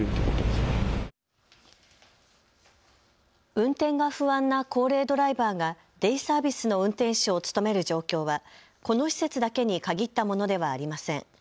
運転が不安な高齢ドライバーがデイサービスの運転手を務める状況はこの施設だけに限ったものではありません。